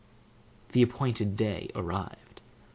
The appointed day arrived.